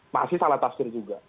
masih salah tafsir juga